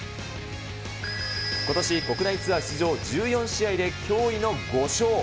ことし国内ツアー出場１４試合で驚異の５勝。